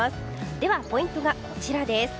ではポイントはこちら。